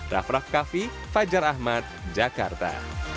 rafraf kaffi fajar ahmad jakarta